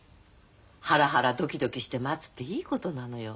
ハラハラドキドキして待つっていいことなのよ。